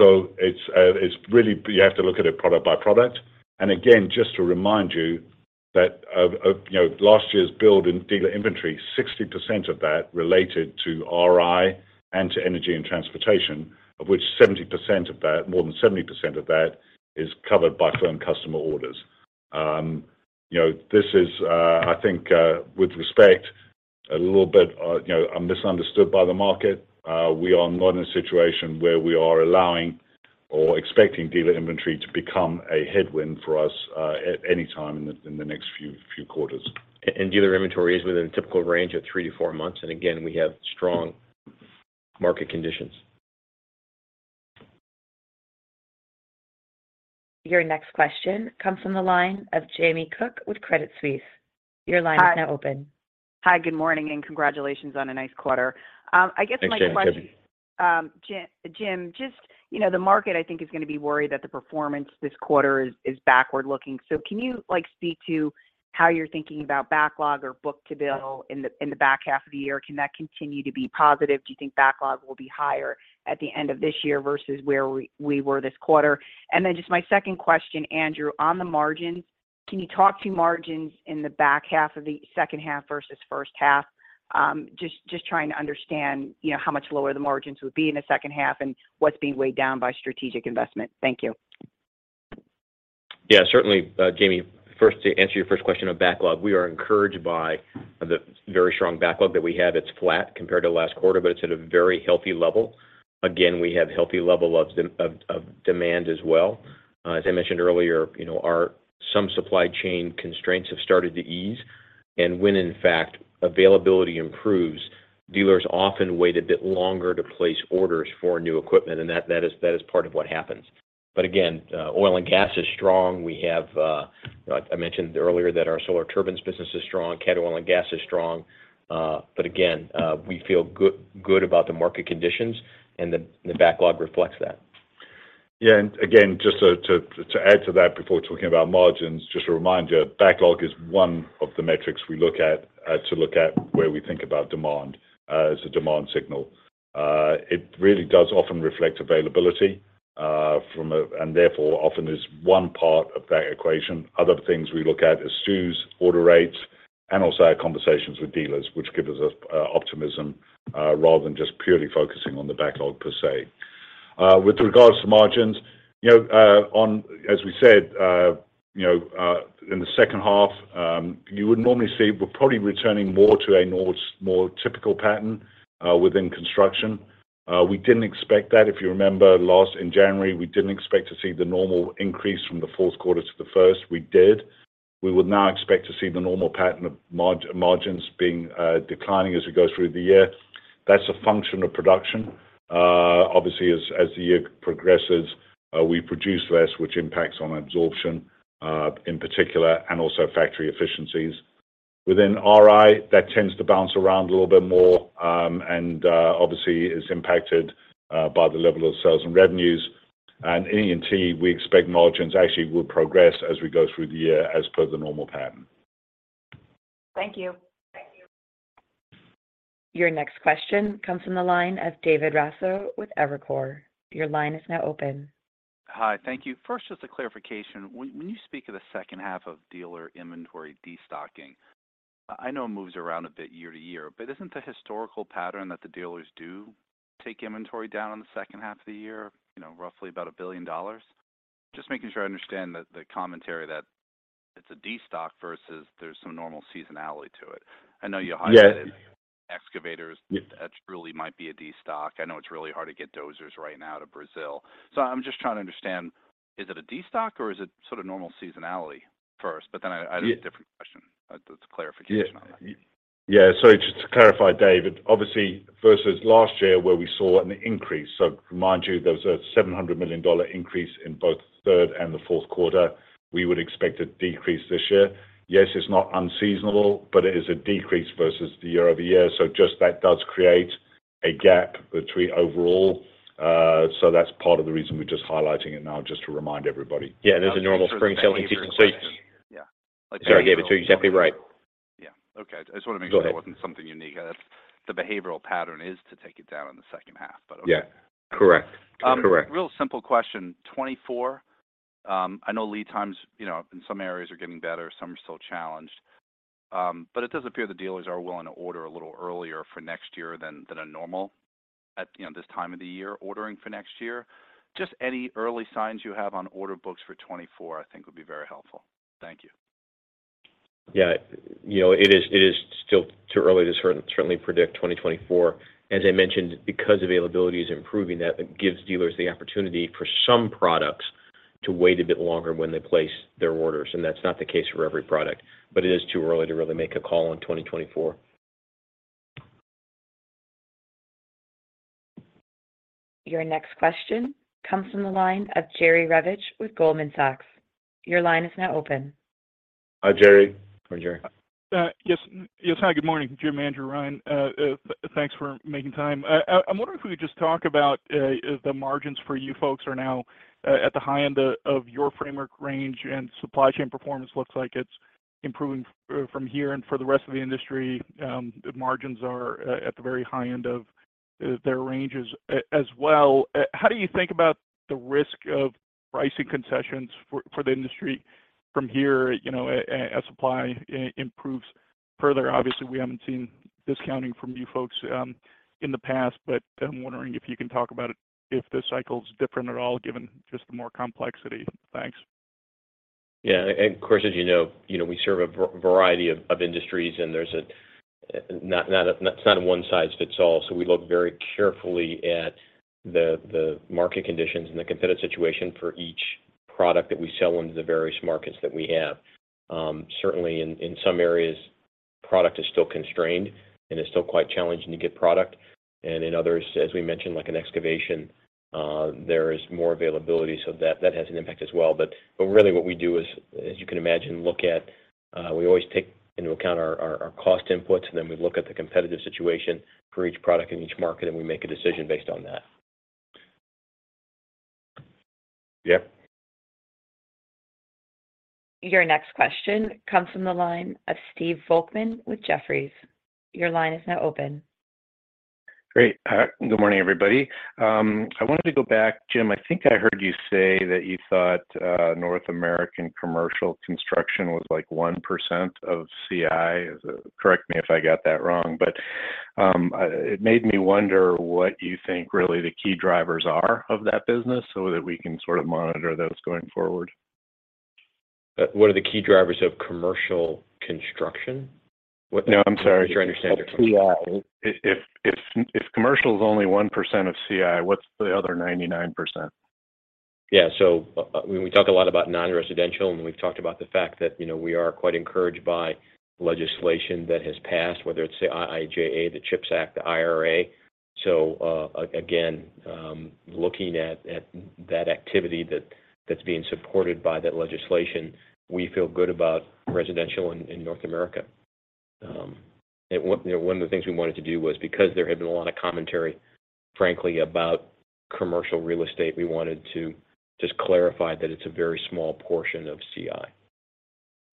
It's really you have to look at it product by product. Again, just to remind you that, you know, last year's build in dealer inventory, 60% of that related to RI and to Energy & Transportation, of which more than 70% of that is covered by firm customer orders. You know, this is, I think, with respect a little bit, you know, misunderstood by the market. We are not in a situation where we are allowing or expecting dealer inventory to become a headwind for us, at any time in the next few quarters. Dealer inventory is within a typical range of three to four months. Again, we have strong market conditions. Your next question comes from the line of Jamie Cook with Credit Suisse. Your line is now open. Hi. Good morning, and congratulations on a nice quarter. I guess my question- Thanks, Jamie. Jim, just, you know, the market I think is gonna be worried that the performance this quarter is backward-looking. Can you, like, speak to how you're thinking about backlog or book-to-bill in the back half of the year? Can that continue to be positive? Do you think backlog will be higher at the end of this year versus where we were this quarter? Just my second question, Andrew, on the margins, can you talk to margins in the back half of the second half versus first half? Just trying to understand, you know, how much lower the margins would be in the second half and what's being weighed down by strategic investment. Thank you. Yeah, certainly. Jamie, first, to answer your first question on backlog, we are encouraged by the very strong backlog that we have. It's flat compared to last quarter. It's at a very healthy level. Again, we have healthy level of demand as well. As I mentioned earlier, you know, some supply chain constraints have started to ease. When in fact availability improves, dealers often wait a bit longer to place orders for new equipment, and that is part of what happens. Again, oil and gas is strong. We have, I mentioned earlier that our Solar Turbines business is strong, Cat Oil & Gas is strong. Again, we feel good about the market conditions and the backlog reflects that. Yeah. Again, just to add to that before talking about margins, just a reminder, backlog is one of the metrics we look at to look at where we think about demand as a demand signal. It really does often reflect availability and therefore often is one part of that equation. Other things we look at is STUs order rates and also our conversations with dealers, which give us optimism rather than just purely focusing on the backlog per se. With regards to margins, you know, as we said, you know, in the second half, you would normally see we're probably returning more to a more typical pattern within construction. We didn't expect that. If you remember last in January, we didn't expect to see the normal increase from the fourth quarter to the first. We did. We would now expect to see the normal pattern of margins being declining as we go through the year. That's a function of production. Obviously, as the year progresses, we produce less, which impacts on absorption in particular, and also factory efficiencies. Within RI, that tends to bounce around a little bit more, and obviously is impacted by the level of sales and revenues. E&T, we expect margins actually will progress as we go through the year as per the normal pattern. Thank you. Your next question comes from the line of David Raso with Evercore. Your line is now open. Hi. Thank you. First, just a clarification. When you speak of the second half of dealer inventory destocking, I know it moves around a bit year-to-year, isn't the historical pattern that the dealers do take inventory down on the second half of the year, you know, roughly about $1 billion? Just making sure I understand the commentary that it's a destock versus there's some normal seasonality to it. I know you highlighted- Yes -excavators. Yeah. That truly might be a destock. I know it's really hard to get dozers right now to Brazil. I'm just trying to understand, is it a destock or is it sort of normal seasonality first? Yeah have a different question. That's a clarification on that. Yeah. Yeah. Just to clarify, David, obviously versus last year where we saw an increase. Mind you, there was a $700 million increase in both third and the fourth quarter. We would expect a decrease this year. Yes, it's not unseasonal, but it is a decrease versus the year-over-year. Just that does create a gap between overall. That's part of the reason we're just highlighting it now just to remind everybody. Okay. Yeah, there's a normal spring selling season. Yeah. Sorry, David. It's exactly right. Yeah. Okay. I just wanna make sure. Go ahead. that wasn't something unique. That's the behavioral pattern is to take it down in the second half, but okay. Yeah. Correct. Correct. Real simple question. 2024, I know lead times, you know, in some areas are getting better, some are still challenged. It does appear the dealers are willing to order a little earlier for next year than a normal at, you know, this time of the year, ordering for next year. Just any early signs you have on order books for 2024, I think would be very helpful. Thank you. Yeah. You know, it is still too early to certainly predict 2024. As I mentioned, because availability is improving, that gives dealers the opportunity for some products to wait a bit longer when they place their orders. That's not the case for every product. It is too early to really make a call on 2024. Your next question comes from the line of Jerry Revich with Goldman Sachs. Your line is now open. Hi, Jerry. Hi, Jerry. Yes, yes. Hi, good morning, Jim and Andrew, Ryan. Thanks for making time. I'm wondering if we could just talk about the margins for you folks are now at the high end of your framework range, and supply chain performance looks like it's improving from here. For the rest of the industry, margins are at the very high end of their ranges as well. How do you think about the risk of pricing concessions for the industry from here, you know, as supply improves further? Obviously, we haven't seen discounting from you folks in the past, but I'm wondering if you can talk about it, if the cycle is different at all given just the more complexity. Thanks. Yeah. Of course, as you know, you know, we serve a variety of industries, it's not a one size fits all. We look very carefully at the market conditions and the competitive situation for each product that we sell into the various markets that we have. Certainly in some areas, product is still constrained, and it's still quite challenging to get product. In others, as we mentioned, like in excavation, there is more availability. That has an impact as well. Really what we do is, as you can imagine, look at. We always take into account our cost inputs, and then we look at the competitive situation for each product in each market, and we make a decision based on that. Yeah. Your next question comes from the line of Stephen Volkmann with Jefferies. Your line is now open. Great. Good morning, everybody. I wanted to go back. Jim, I think I heard you say that you thought North American commercial construction was like 1% of CI. Correct me if I got that wrong. It made me wonder what you think really the key drivers are of that business so that we can sort of monitor those going forward. What are the key drivers of commercial construction? No, I'm sorry. Trying to understand your question. CI. If commercial is only 1% of CI, what's the other 99%? Yeah. When we talk a lot about non-residential, and we've talked about the fact that, you know, we are quite encouraged by legislation that has passed, whether it's the IIJA, the CHIPS Act, the IRA. Again, looking at that activity that's being supported by that legislation, we feel good about residential in North America. And one, you know, one of the things we wanted to do was because there had been a lot of commentary, frankly, about commercial real estate, we wanted to just clarify that it's a very small portion of CI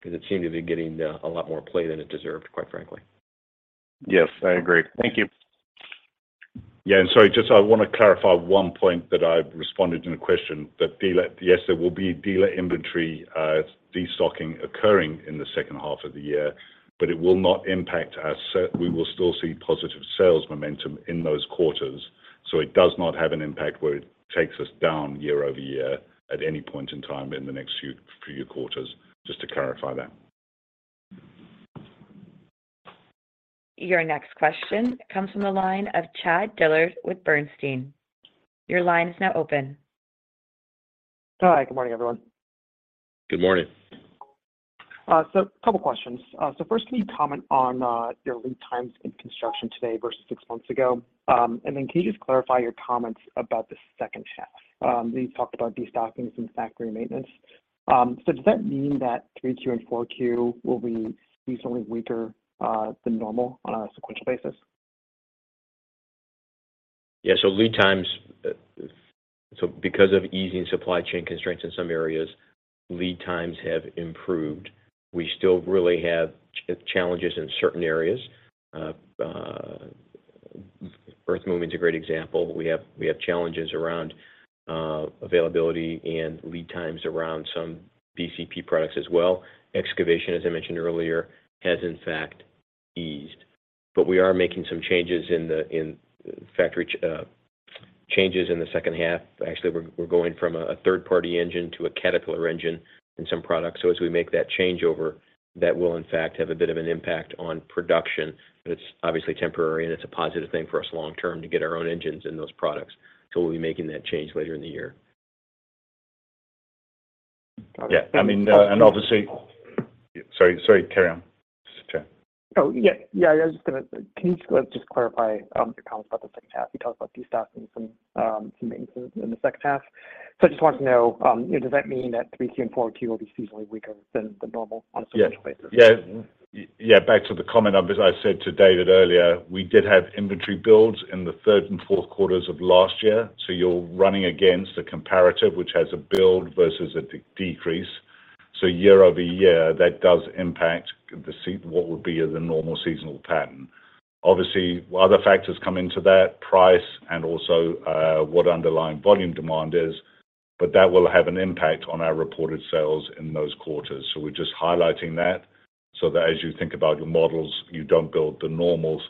because it seemed to be getting a lot more play than it deserved, quite frankly. I agree. Thank you. Yeah. Sorry, just I want to clarify one point that I responded in a question. Yes, there will be dealer inventory destocking occurring in the second half of the year. We will still see positive sales momentum in those quarters. It does not have an impact where it takes us down year-over-year at any point in time in the next few quarters. Just to clarify that. Your next question comes from the line of Chad Dillard with Bernstein. Your line is now open. Hi. Good morning, everyone. Good morning. Couple questions. First, can you comment on your lead times in construction today versus six months ago? Can you just clarify your comments about the second half? You talked about destockings and factory maintenance. Does that mean that 3Q and 4Q will be seasonally weaker than normal on a sequential basis? Lead times, so because of easing supply chain constraints in some areas, lead times have improved. We still really have challenges in certain areas. Earth movement is a great example. We have challenges around availability and lead times around some BCP products as well. Excavation, as I mentioned earlier, has in fact eased. We are making some changes in the factory in the second half. Actually, we're going from a third-party engine to a Caterpillar engine in some products. As we make that changeover, that will in fact have a bit of an impact on production. It's obviously temporary, and it's a positive thing for us long-term to get our own engines in those products. We'll be making that change later in the year. Yeah. I mean. Sorry, carry on, Chad. Oh, yeah. Can you just clarify your comments about the second half? You talked about destocking some maintenance in the second half. I just wanted to know, you know, does that mean that 3Q and 4Q will be seasonally weaker than normal on a seasonal basis? Yeah, back to the comment I've as I said to David earlier, we did have inventory builds in the third and fourth quarters of last year, you're running against a comparative which has a build versus a decrease. Year-over-year, that does impact what would be the normal seasonal pattern. Obviously, other factors come into that, price and also what underlying volume demand is, but that will have an impact on our reported sales in those quarters. We're just highlighting that so that as you think about your models, you don't build the normal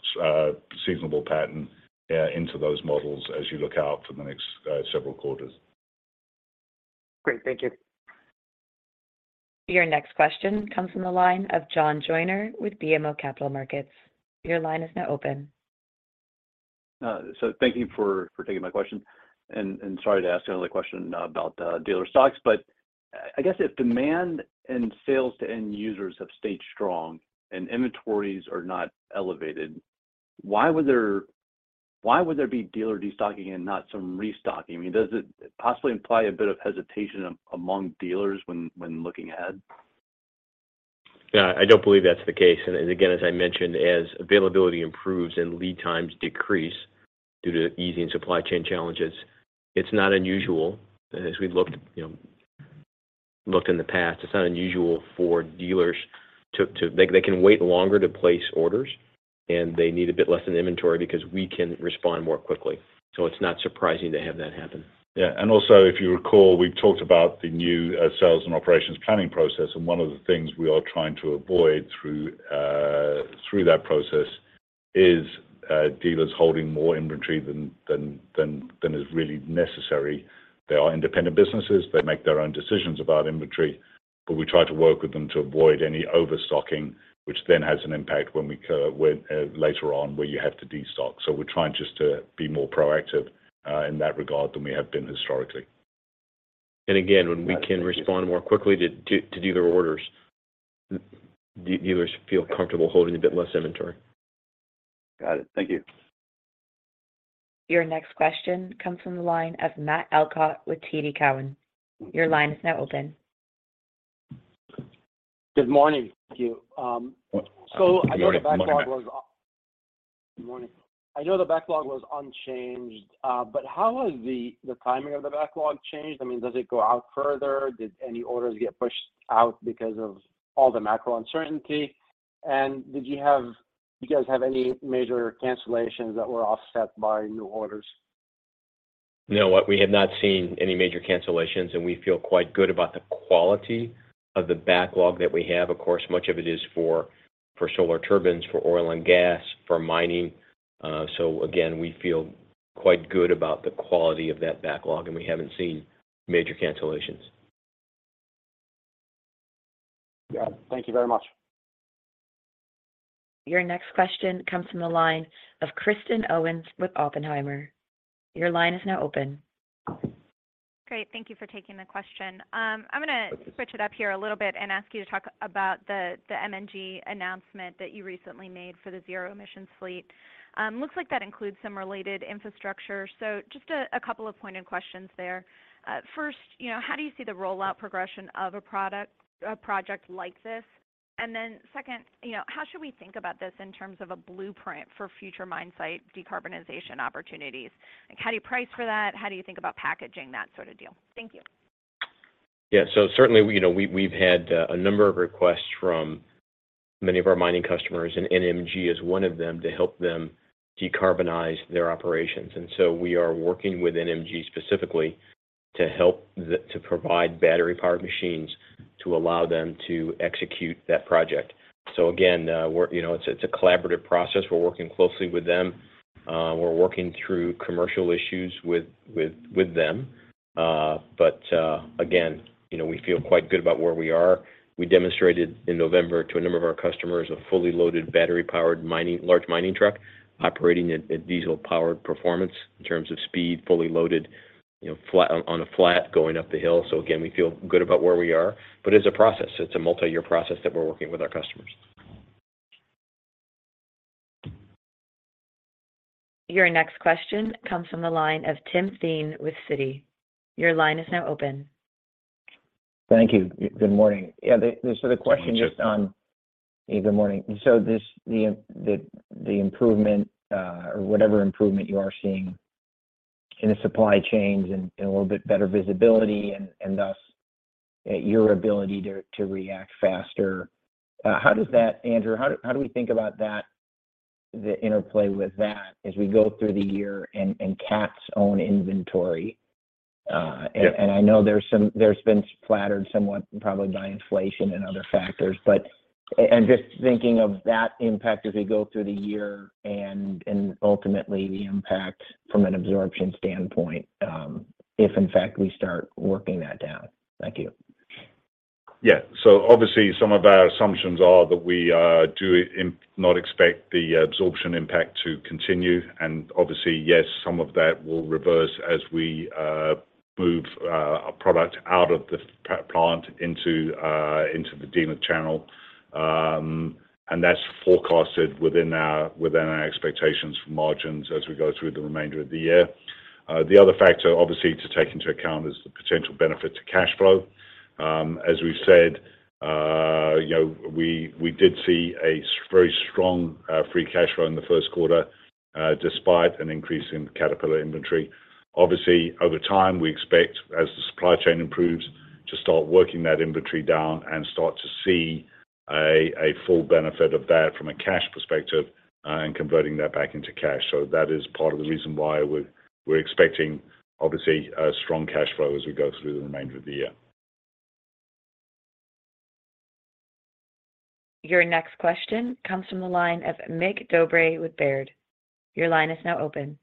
seasonable pattern into those models as you look out for the next several quarters. Great. Thank you. Your next question comes from the line of John Joyner with BMO Capital Markets. Your line is now open. Thank you for taking my question. And sorry to ask another question about dealer stocks. I guess if demand and sales to end users have stayed strong and inventories are not elevated, why would there be dealer destocking and not some restocking? I mean, does it possibly imply a bit of hesitation among dealers when looking ahead? Yeah. I don't believe that's the case. Again, as I mentioned, as availability improves and lead times decrease due to easing supply chain challenges, it's not unusual, as we looked, you know, in the past. They can wait longer to place orders, and they need a bit less in inventory because we can respond more quickly. It's not surprising to have that happen. Yeah. Also if you recall, we've talked about the new sales and operations planning process, and one of the things we are trying to avoid through that process is dealers holding more inventory than is really necessary. They are independent businesses. They make their own decisions about inventory, but we try to work with them to avoid any overstocking, which then has an impact when later on, where you have to destock. We're trying just to be more proactive in that regard than we have been historically. Again, when we can respond more quickly to dealer orders, dealers feel comfortable holding a bit less inventory. Got it. Thank you. Your next question comes from the line of Matt Elkott with TD Cowen. Your line is now open. Good morning. Thank you. I know the backlog. Good morning, Matt. Good morning. I know the backlog was unchanged, but how has the timing of the backlog changed? I mean, does it go out further? Did any orders get pushed out because of all the macro uncertainty? Did you guys have any major cancellations that were offset by new orders? No. We have not seen any major cancellations, and we feel quite good about the quality of the backlog that we have. Of course, much of it is for Solar Turbines, for oil and gas, for mining. Again, we feel quite good about the quality of that backlog, and we haven't seen major cancellations. Thank you very much. Your next question comes from the line of Kristen Owen with Oppenheimer. Your line is now open. Great. Thank you for taking the question. I'm gonna switch it up here a little bit and ask you to talk about the NMG announcement that you recently made for the zero emission fleet. Looks like that includes some related infrastructure. Just a couple of pointed questions there. First, you know, how do you see the rollout progression of a product, a project like this? Second, you know, how should we think about this in terms of a blueprint for future mine site decarbonization opportunities? Like, how do you price for that? How do you think about packaging that sort of deal? Thank you. Yeah. Certainly, you know, we've had a number of requests from many of our mining customers, and NMG is one of them, to help them decarbonize their operations. We are working with NMG specifically to provide battery-powered machines to allow them to execute that project. Again, you know, it's a collaborative process. We're working closely with them. We're working through commercial issues with them. Again, you know, we feel quite good about where we are. We demonstrated in November to a number of our customers a fully loaded battery-powered mining, large mining truck operating at diesel-powered performance in terms of speed, fully loaded, you know, flat, on a flat going up the hill. Again, we feel good about where we are, but it's a process. It's a multi-year process that we're working with our customers. Your next question comes from the line of Tim Thein with Citi. Your line is now open. Thank you. Good morning. Yeah, the question just on- Good morning, Tim. Hey, good morning. This, the improvement, or whatever improvement you are seeing in the supply chains and a little bit better visibility and thus, your ability to react faster, how does that, Andrew, how do we think about that, the interplay with that as we go through the year and Cat's own inventory? I know there's been flattered somewhat probably by inflation and other factors. Just thinking of that impact as we go through the year and ultimately the impact from an absorption standpoint, if in fact we start working that down. Thank you. Obviously, some of our assumptions are that we do not expect the absorption impact to continue. And obviously, yes, some of that will reverse as we move our product out of the plant into the dealer channel. That's forecasted within our expectations for margins as we go through the remainder of the year. The other factor, obviously, to take into account is the potential benefit to cash flow. As we've said, we did see a very strong free cash flow in the first quarter, despite an increase in Caterpillar inventory. Obviously, over time, we expect, as the supply chain improves, to start working that inventory down and start to see a full benefit of that from a cash perspective and converting that back into cash. That is part of the reason why we're expecting, obviously, a strong cash flow as we go through the remainder of the year. Your next question comes from the line of Mig Dobre with Baird. Your line is now open.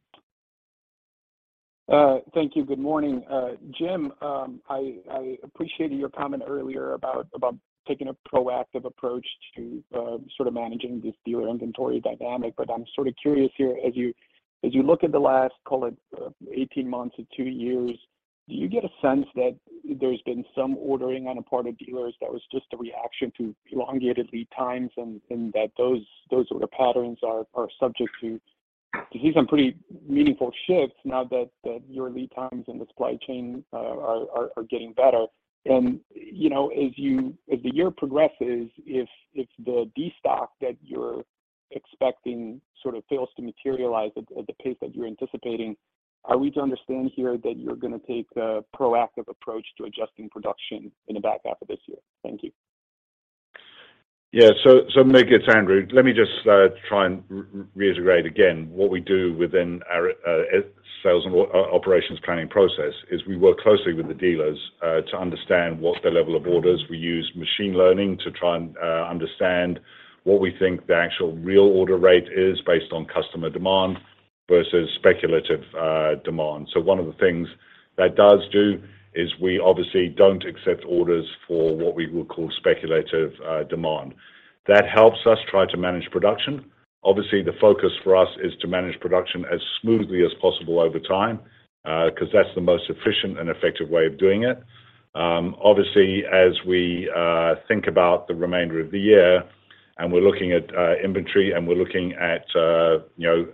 Thank you. Good morning. Jim, I appreciated your comment earlier about taking a proactive approach to sort of managing this dealer inventory dynamic. I'm sort of curious here, as you look at the last, call it, 18 months to two years, do you get a sense that there's been some ordering on the part of dealers that was just a reaction to elongated lead times, and that those sort of patterns are subject to see some pretty meaningful shifts now that your lead times and the supply chain are getting better? You know, as the year progresses, if the destock that you're expecting sort of fails to materialize at the pace that you're anticipating, are we to understand here that you're gonna take a proactive approach to adjusting production in the back half of this year? Thank you. Mig, it's Andrew. Let me just try and reiterate again what we do within our sales and operations planning process is we work closely with the dealers to understand what the level of orders. We use machine learning to try and understand what we think the actual real order rate is based on customer demand versus speculative demand. One of the things that does do is we obviously don't accept orders for what we would call speculative demand. That helps us try to manage production. Obviously, the focus for us is to manage production as smoothly as possible over time, 'cause that's the most efficient and effective way of doing it. Obviously, as we think about the remainder of the year and we're looking at inventory and we're looking at, you know,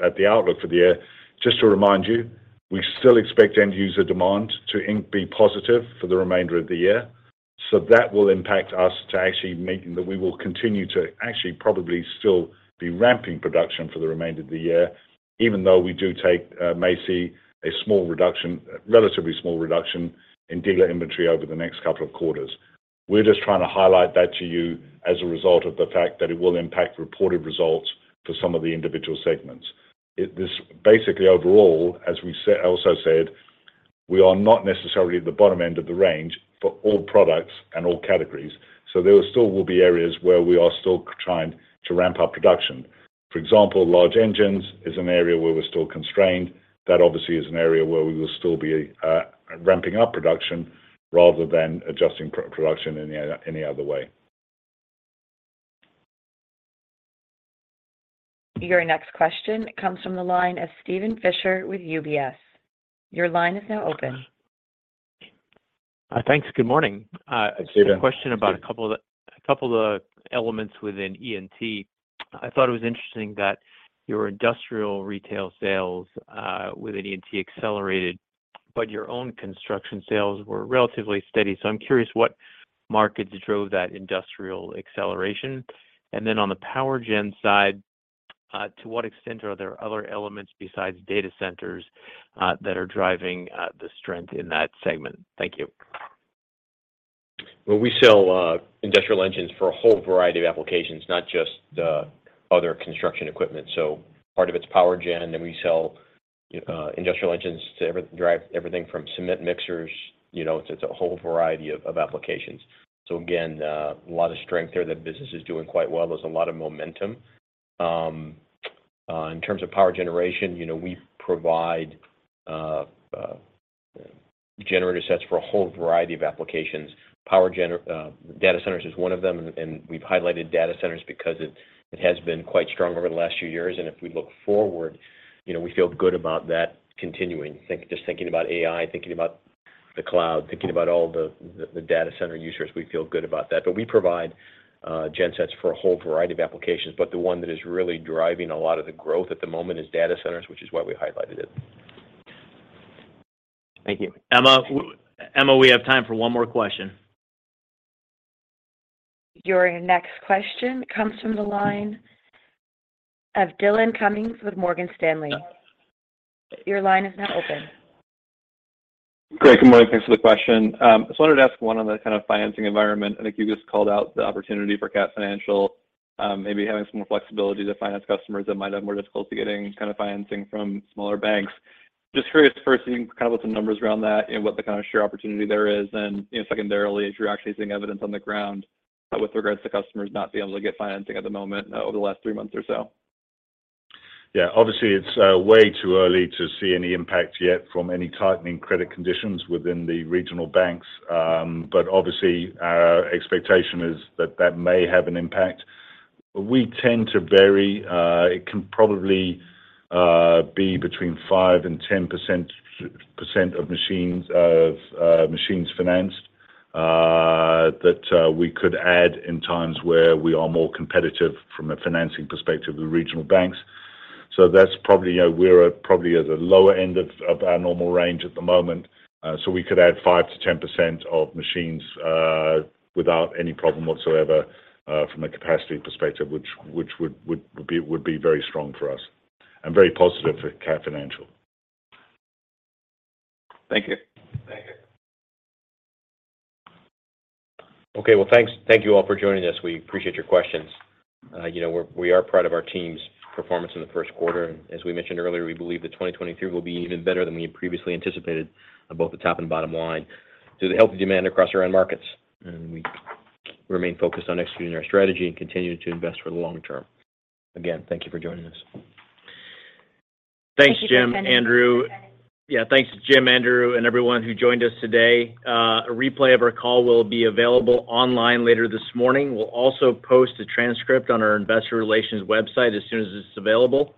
at the outlook for the year, just to remind you, we still expect end user demand to be positive for the remainder of the year. That will impact us to actually that we will continue to actually probably still be ramping production for the remainder of the year, even though we do take, may see a small reduction, relatively small reduction in dealer inventory over the next couple of quarters. We're just trying to highlight that to you as a result of the fact that it will impact reported results for some of the individual segments. It is basically overall, as we also said, we are not necessarily at the bottom end of the range for all products and all categories. There still will be areas where we are still trying to ramp up production. For example, large engines is an area where we're still constrained. That obviously is an area where we will still be ramping up production rather than adjusting production in any other way. Your next question comes from the line of Steven Fisher with UBS. Your line is now open. Thanks. Good morning. Hi, Steven. A question about a couple of the elements within E&T. I thought it was interesting that your industrial retail sales within E&T accelerated, but your own construction sales were relatively steady. I'm curious what markets drove that industrial acceleration. Then on the power gen side, to what extent are there other elements besides data centers that are driving the strength in that segment? Thank you. Well, we sell industrial engines for a whole variety of applications, not just the other construction equipment. Part of it's power gen, then we sell industrial engines to drive everything from cement mixers, you know, it's a whole variety of applications. Again, a lot of strength there. The business is doing quite well. There's a lot of momentum. In terms of power generation, you know, we provide generator sets for a whole variety of applications. Power generation, data centers is one of them, and we've highlighted data centers because it has been quite strong over the last few years. If we look forward, you know, we feel good about that continuing. Just thinking about AI, thinking about the cloud, thinking about all the data center users, we feel good about that. We provide gen sets for a whole variety of applications, but the one that is really driving a lot of the growth at the moment is data centers, which is why we highlighted it. Thank you. Emma, we have time for one more question. Your next question comes from the line of Dillon Cummings with Morgan Stanley. Your line is now open. Great. Good morning. Thanks for the question. Just wanted to ask one on the kind of financing environment. I think you just called out the opportunity for Cat Financial. Maybe having some more flexibility to finance customers that might have more difficulty getting kind of financing from smaller banks. Just curious first if you can kind of look at the numbers around that and what the kind of share opportunity there is? You know, secondarily, if you're actually seeing evidence on the ground, with regards to customers not being able to get financing at the moment over the last three months or so? Yeah. Obviously, it's way too early to see any impact yet from any tightening credit conditions within the regional banks. Obviously, our expectation is that that may have an impact. We tend to vary, it can probably be between 5% and 10% of machines of machines financed that we could add in times where we are more competitive from a financing perspective with regional banks. That's probably, you know, we're probably at the lower end of our normal range at the moment. We could add 5%-10% of machines without any problem whatsoever, from a capacity perspective, which would be very strong for us and very positive for Cat Financial. Thank you. Thank you. Okay. Well, thanks. Thank you all for joining us. We appreciate your questions. you know, we are proud of our team's performance in the first quarter. As we mentioned earlier, we believe that 2023 will be even better than we had previously anticipated on both the top and bottom line due to the healthy demand across our end markets. We remain focused on executing our strategy and continuing to invest for the long term. Again, thank you for joining us. Thanks, Jim, Andrew. Yeah, thanks, Jim, Andrew, and everyone who joined us today. A replay of our call will be available online later this morning. We'll also post a transcript on our investor relations website as soon as it's available.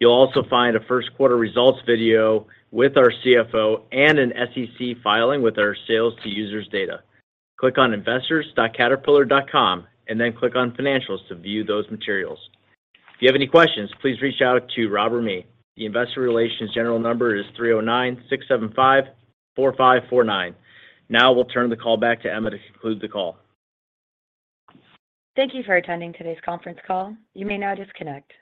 You'll also find a first quarter results video with our CFO and an SEC filing with our sales to users data. Click on investors.caterpillar.com and then click on Financials to view those materials. If you have any questions, please reach out to Rob or me. The investor relations general number is 309-675-4549. We'll turn the call back to Emma to conclude the call. Thank you for attending today's conference call. You may now disconnect.